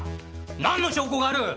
なんの証拠がある！